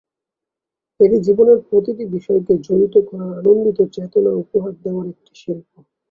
এটি জীবনের প্রতিটি বিষয়কে জড়িত করার আনন্দিত চেতনা উপহার দেওয়ার একটি শিল্প।